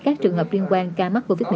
các trường hợp liên quan ca mắc covid một mươi